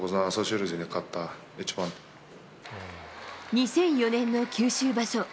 ２００４年の九州場所。